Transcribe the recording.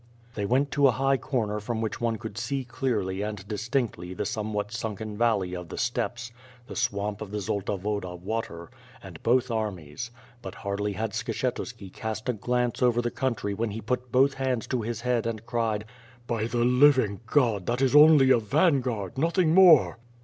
They went to a high corner from which one could see clearly and distinctly the somewhat sunkoii ^valley of the steppes, the swamp of the Zolta Woda water, and both armies. But hardly had Skshetuski cast a glance over the country when he put both hands to his head and crierl: "By the living God, that is only a vanguard, nothing more."